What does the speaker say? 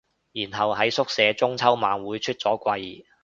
然後喺宿舍中秋晚會出咗櫃